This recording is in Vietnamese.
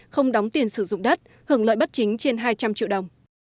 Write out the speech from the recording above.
không đóng tiền sử dụng đất hưởng lợi bất chính trên hai trăm linh triệu đồng